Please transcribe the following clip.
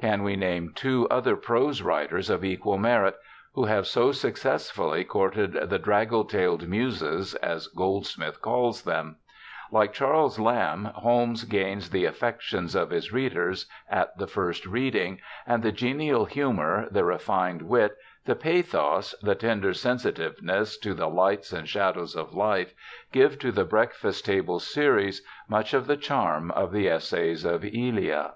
Can we name two other prose writers of equal merit, who have so successfully courted the ' draggle tailed Muses,' as Goldsmith calls them ? Like Charles Lamb, Holmes gains the affections of his readers at the first sitting, and the genial humour, the refined wit, the pathos, the tender sensitiveness to the lights and shadows of life, give to the Breakfast Table Series much of the charm of the Essays of Elia.